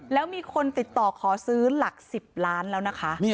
แล้วมีคนติดต่อขอซื้อหลัก๑๐ล้านแล้วนะคะ